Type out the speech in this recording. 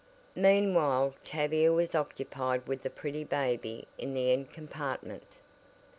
Meanwhile Tavia was occupied with the pretty baby in the end compartment.